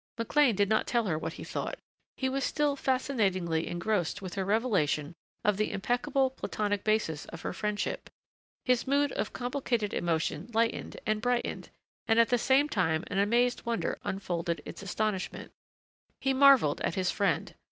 McLean did not tell her what he thought. He was still fascinatedly engrossed with her revelation of the impeccable Platonic basis of her friendship. His mood of complicated emotion lightened and brightened and at the same time an amazed wonder unfolded its astonishment. He marveled at his friend.